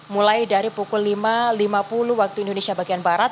mulai dari pukul lima lima puluh waktu indonesia bagian barat